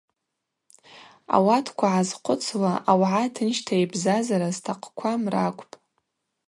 Ауатква гӏазхъвыцуа аугӏа тынчта йбзазара зтахъквам ракӏвпӏ.